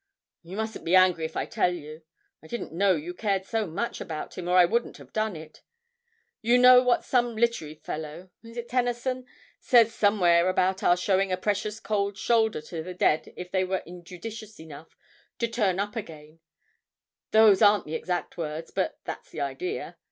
'You mustn't be angry if I tell you. I didn't know you cared so much about him, or I wouldn't have done it. You know what some literary fellow is it Tennyson? says somewhere about our showing a precious cold shoulder to the dead if they were injudicious enough to turn up again; those aren't the exact words, but that's the idea.